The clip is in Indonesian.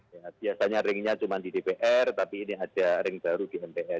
ya biasanya ringnya cuma di dpr tapi ini ada ring baru di mpr